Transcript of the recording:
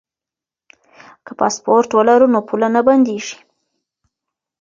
که پاسپورټ ولرو نو پوله نه بندیږي.